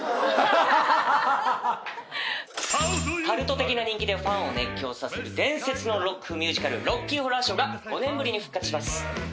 カルト的な人気でファンを熱狂させる伝説のロックミュージカル『ロッキー・ホラー・ショー』が５年ぶりに復活します。